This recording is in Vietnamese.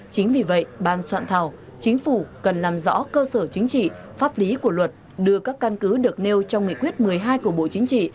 chính vì vậy ban soạn thảo chính phủ cần làm rõ cơ sở chính trị pháp lý của luật đưa các căn cứ được nêu trong nghị quyết một mươi hai của bộ chính trị